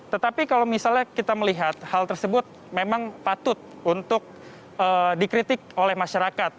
tetapi kalau misalnya kita melihat hal tersebut memang patut untuk dikritik oleh masyarakat